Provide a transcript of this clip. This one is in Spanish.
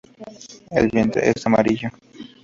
El vientre es amarillo.